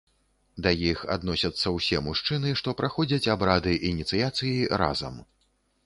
Да іх адносяцца ўсе мужчыны, што праходзяць абрады ініцыяцыі разам.